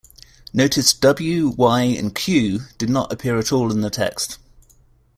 Notice "w", "y", and "q" did not appear at all in the text.